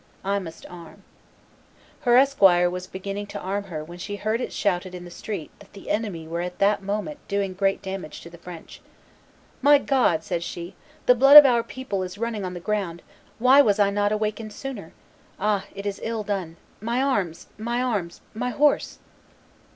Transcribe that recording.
I must arm." Her esquire was beginning to arm her when she heard it shouted in the street that the enemy were at that moment doing great damage to the French. "My God," said she, "the blood of our people is running on the ground; why was I not awakened sooner? Ah! it was ill done! ... My arms! My arms! my horse!"